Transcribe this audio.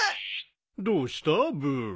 どうしたブー？